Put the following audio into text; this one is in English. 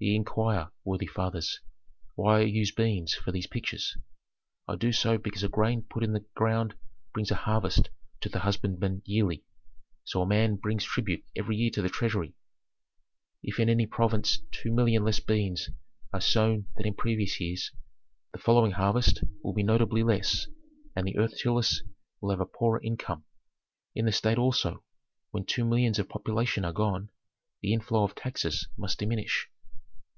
"Ye inquire, worthy fathers, why I use beans for these pictures. I do so because a grain put in the ground brings a harvest to the husbandmen yearly; so a man brings tribute every year to the treasury. "If in any province two million less beans are sown than in past years, the following harvest will be notably less, and the earth tillers will have a poorer income. In the state also, when two millions of population are gone, the inflow of taxes must diminish."